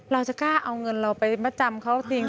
เราจะกล้าเอาเงินเราไปมาจำเขาจริง